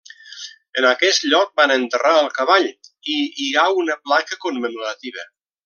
En aquest lloc van enterrar el cavall i hi ha una placa commemorativa.